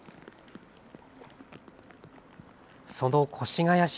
その越谷市。